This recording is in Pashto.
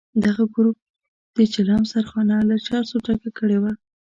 دغه ګروپ د چلم سرخانه له چرسو ډکه کړې وه.